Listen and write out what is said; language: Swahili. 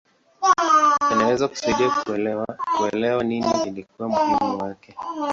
Yanaweza kusaidia kuelewa nini ilikuwa muhimu kwake.